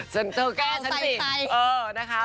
เจ้าแก้ฉันสิเออนะคะ